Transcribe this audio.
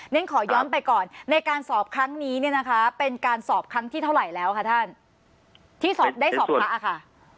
ขอย้อนไปก่อนในการสอบครั้งนี้เนี่ยนะคะเป็นการสอบครั้งที่เท่าไหร่แล้วคะท่านที่ได้สอบพระอะค่ะ